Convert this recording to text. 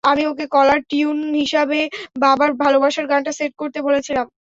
আমি ওকে caller tune হিসাবে বাবার ভালবাসার গানটা সেট করতে বলেছিলাম।